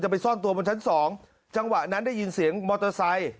ไปซ่อนตัวบนชั้นสองจังหวะนั้นได้ยินเสียงมอเตอร์ไซค์